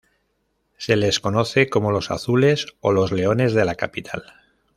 Se les conoce como "los azules" o "los leones de la capital".